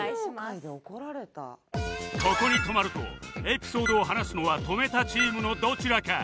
ここに止まるとエピソードを話すのは止めたチームのどちらか